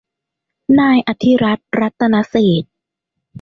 นายอธิรัฐ รัตนเศรษฐ